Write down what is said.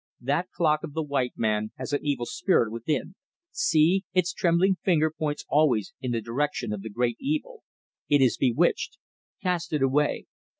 "That clock of the white men has an evil spirit within. See! its trembling finger points always in the direction of the Great Evil. It is bewitched. Cast it away.